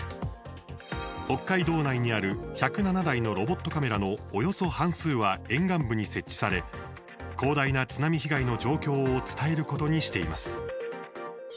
北海道内にある１０７台のロボットカメラのおよそ半数は、沿岸部に設置され広大な津波被害の状況を伝えることにしています。